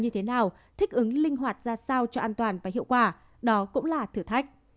như thế nào thích ứng linh hoạt ra sao cho an toàn và hiệu quả đó cũng là thử thách